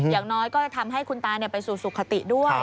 อย่างน้อยก็จะทำให้คุณตาไปสู่สุขติด้วย